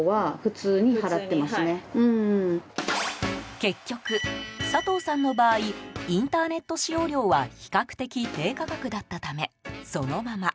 結局、佐藤さんの場合インターネット使用料は比較的低価格だったためそのまま。